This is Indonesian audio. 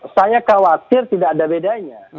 saya khawatir tidak ada bedanya